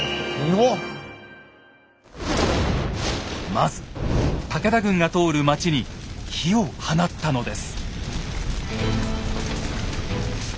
まず武田軍が通る町に火を放ったのです。